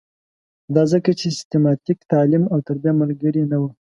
دا ځکه چې سیستماتیک تعلیم او تربیه ملګرې نه وه.